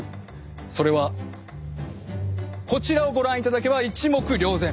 それはこちらをご覧いただけば一目瞭然。